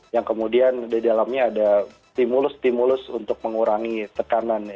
yang kemudian di dalamnya ada stimulus stimulus untuk mengurangi tekanan